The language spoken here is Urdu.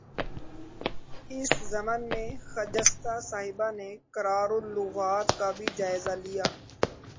اس ضمن میں خجستہ صاحبہ نے قرار اللغات کا بھی جائزہ لیا